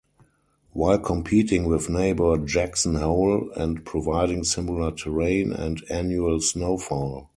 While competing with neighbor Jackson Hole and providing similar terrain and annual snowfall.